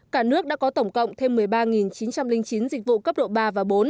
cả nước đã có tổng cộng thêm một mươi ba chín trăm linh chín dịch vụ cấp độ ba và bốn